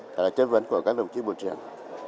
thật là chất vấn của các đồng chí bộ trưởng